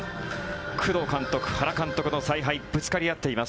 工藤監督、原監督の采配がぶつかり合っています。